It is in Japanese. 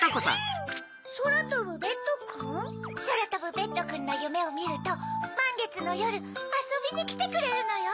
そらとぶベッドくんのゆめをみるとまんげつのよるあそびにきてくれるのよ。